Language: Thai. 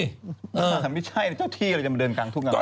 ถ้าไม่ใช่เจ้าที่อะไรจะมาเดินกังทุ่งกังนา